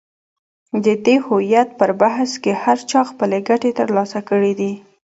د دې هویت پر بحث کې هر چا خپلې ګټې تر لاسه کړې دي.